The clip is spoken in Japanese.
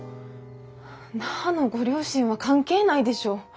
那覇のご両親は関係ないでしょ。